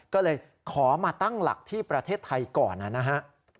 ก็เลยขอมาตั้งหลักที่ประเทศไทยก่อนนะฮะ